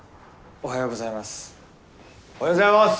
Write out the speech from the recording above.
おはようございます。